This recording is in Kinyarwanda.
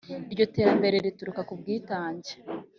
Iryo terambere rituruka ku bwitange